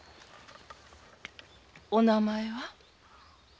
お名前は？